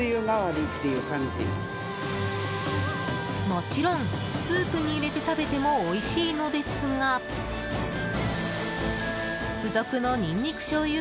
もちろん、スープに入れて食べてもおいしいのですが付属のにんにくしょうゆ